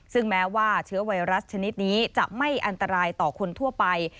ซึ่งแม้ว่าเชื้อไวรัสชนิดนี้จะไม่อันตรายต่อคนทั่วไป